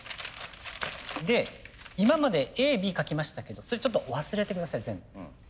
で今までＡＢ書きましたけどそれちょっと忘れて下さい全部。